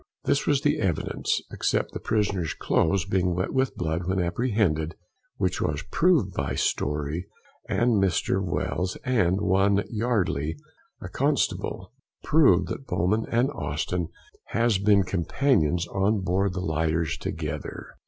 This was the evidence, except the prisoner's cloaths being wet with blood when apprehended, which was proved by Story and Mr. Wells, and one Yardly, a constable, proved that Bowman and Austin has been companions on board the lighters together.